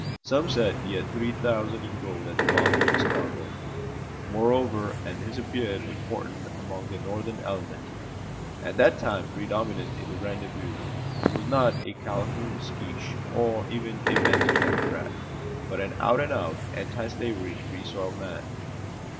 Some said he had three thousand in gold at the bottom of his cargo. Moreover and this appeared important among the Northern element, at that time predominant in the rendezvous he was not a Calhoun Secesh, or even a Benton Democrat, but an out and out, antislavery, free soil man.